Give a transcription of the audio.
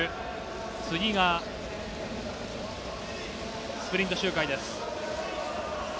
次がスプリント周回です。